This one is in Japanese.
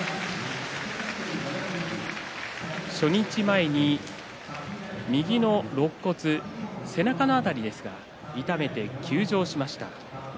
初日前に、右のろっ骨背中の辺りを痛めて休場しました。